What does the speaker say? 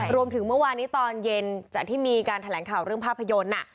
รวมถึงเมื่อวานที่ตอนเย็นที่มีการแถลงข่าวเรื่องภาพยนตร์